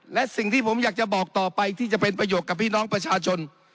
และสิ่งที่ผมอยากจะบอกต่อไปที่จะเป็นประโยชน์กับพี่น้องประชาชน